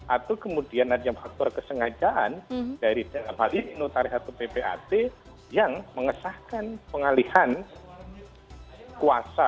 atau kemudian ada faktor kesengajaan dari notari hati ppat yang mengesahkan pengalihan kuasa